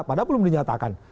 padahal belum dinyatakan